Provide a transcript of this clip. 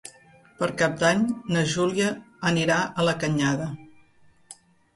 Per Cap d'Any na Júlia anirà a la Canyada.